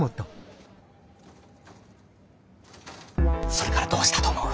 それからどうしたと思う？